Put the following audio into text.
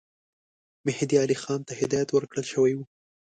مهدي علي خان ته هدایت ورکړه شوی وو.